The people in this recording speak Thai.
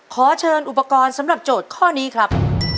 ขอเชิญอุปกรณ์สำหรับโจทย์ข้อนี้ครับ